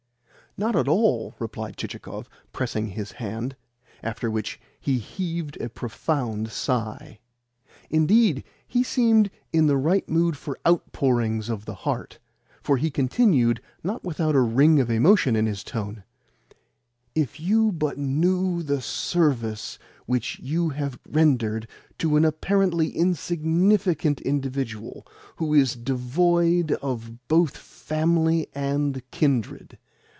"Not at all," replied Chichikov, pressing his hand; after which he heaved a profound sigh. Indeed, he seemed in the right mood for outpourings of the heart, for he continued not without a ring of emotion in his tone: "If you but knew the service which you have rendered to an apparently insignificant individual who is devoid both of family and kindred!